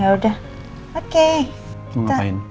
oke mau ngapain